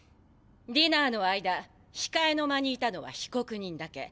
ディナーの間ひかえの間にいたのはひこくにんだけ。